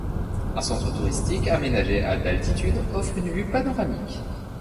Un centre touristique aménagé à d’altitude offre une vue panoramique.